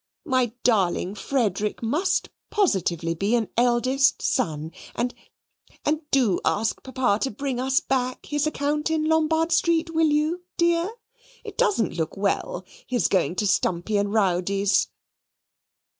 My darling Frederick must positively be an eldest son; and and do ask Papa to bring us back his account in Lombard Street, will you, dear? It doesn't look well, his going to Stumpy and Rowdy's."